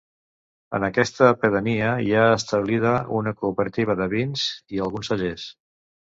En aquesta pedania hi ha establida una cooperativa de vins i alguns cellers.